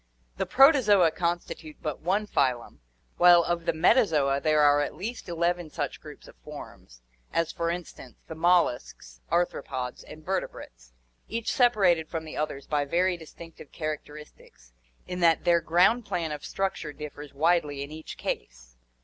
The Protozoa constitute but one phylum, while of the Metazoa there are at least eleven such groups of forms, as, for instance, the molluscs, arthropods, and vertebrates, each sep arated from the others by very distinctive characteristics, in that their ground plan of structure differs widely in each case.